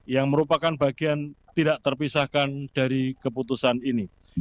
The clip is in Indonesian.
yang merupakan bagian tidak terpisahkan dari keputusan ini